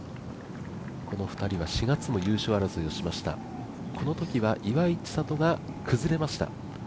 この２人は４月に優勝争いをしました、そのときは岩井千怜が崩れました。